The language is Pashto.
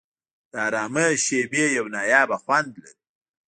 د آرامۍ شېبې یو نایابه خوند لري.